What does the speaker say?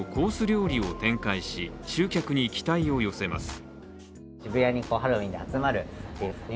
料理を展開し集客に期待を寄せます。